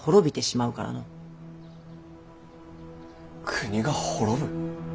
国が滅ぶ。